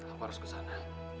aku harus kesana